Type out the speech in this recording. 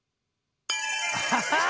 アハハッ！